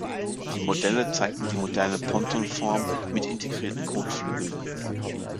Die Modelle zeigten die moderne Pontonform mit integrierten Kotflügeln.